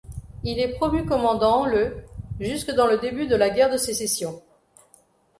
Il est promu commandant le jusque avant le début de la guerre de Sécession.